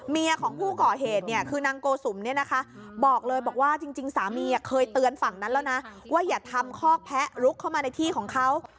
ของผู้ก่อเหตุเนี่ยคือนางโกสุมเนี่ยนะคะบอกเลยบอกว่าจริงสามีเคยเตือนฝั่งนั้นแล้วนะว่าอย่าทำคอกแพะลุกเข้ามาในที่ของเขา